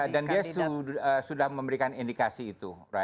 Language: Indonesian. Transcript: dan dia sudah memberikan indikasi itu